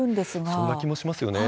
そんな気もしますよね。